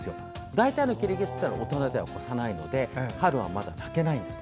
大体のキリギリスは大人では越さないので春はまだ鳴けないんです。